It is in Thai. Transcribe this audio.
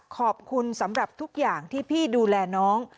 ขอบคุณสำหรับทุกอย่างที่พี่ดูแลน้อง